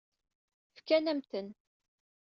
Fkant-am-ten.